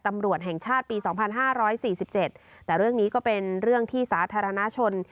ตำรวจแห่งชาติปีสองพันห้าร้อยสี่สิบเจ็ดแต่เรื่องนี้ก็เป็นเรื่องที่สาธารณชน